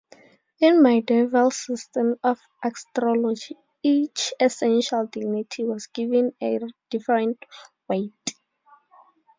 In medieval systems of astrology, each essential dignity was given a different weight.